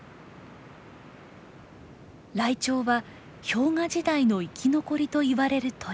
ライチョウは「氷河時代の生き残り」といわれる鳥。